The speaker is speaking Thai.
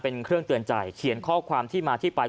เป็นเครื่องเตือนใจเขียนข้อความที่มาที่ไป